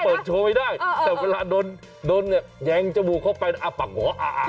เปิดโชว์ไม่ได้แต่เวลาโดนแย้งจมูกเข้าไปอ้อปากหัวอ้อ